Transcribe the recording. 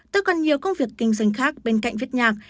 tôi còn nhiều công việc kinh doanh khác bên cạnh viết nhạc